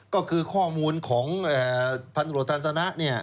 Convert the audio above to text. ก็คือข้อมูลของพันธ์โทรศาลธนะนี่